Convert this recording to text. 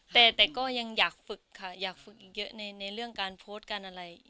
แต่ก็ยังอยากฝึกค่ะอยากฝึกอีกเยอะในเรื่องการโพสต์การอะไร